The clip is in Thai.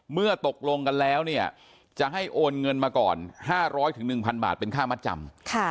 เมื่อตกลงกันแล้วเนี่ยจะให้โอนเงินมาก่อน๕๐๐๑๐๐บาทเป็นค่ามัดจำ